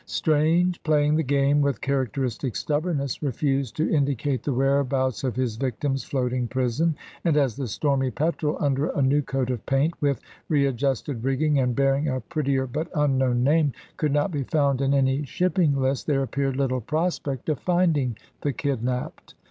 Strange, playing the game with characteristic stubbornness, refused to indicate the whereabouts of his victim's floating prison, and, as the Stormy Petrel under a new coat of paint, with readjusted rigging and bearing a prettier but unknown name, could not be found in any shipping list, there appeared little prospect of finding the kidnapped.